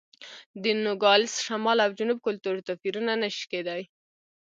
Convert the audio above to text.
د نوګالس شمال او جنوب کلتور توپیرونه نه شي کېدای.